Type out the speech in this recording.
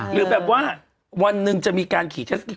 หรือแบบว่าวันหนึ่งจะมีการขี่เทศกิจ